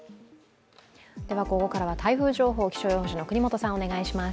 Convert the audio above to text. ここからは台風情報、気象予報士の國本さん、お願いします。